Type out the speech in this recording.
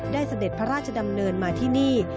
เสด็จพระราชดำเนินมาที่นี่